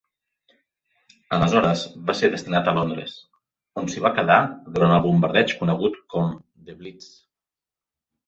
Aleshores va ser destinat a Londres, on s'hi va quedar durant el bombardeig conegut com "The Blitz".